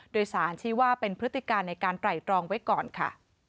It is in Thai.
โดยสารชี้ว่าเป็นพฤติการในการไตรตรองไว้ก่อนค่ะ